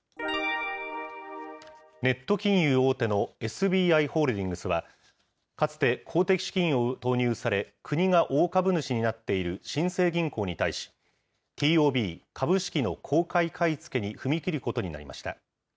ネット金融大手のＳＢＩホールディングスは、かつて公的資金を投入され、国が大株主になっている新生銀行に対し、ＴＯＢ・株式の公開買い付けに踏み切ることになりました。